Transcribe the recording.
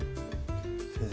先生